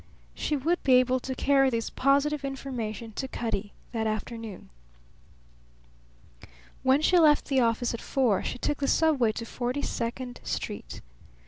She would be able to carry this positive information to Cutty that afternoon. When she left the office at four she took the Subway to Forty second Street.